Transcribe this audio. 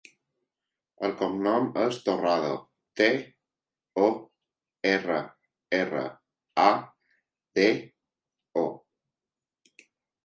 El cognom és Torrado: te, o, erra, erra, a, de, o.